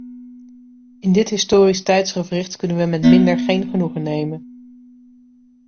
In dit historisch tijdsgewricht kunnen we met minder geen genoegen nemen.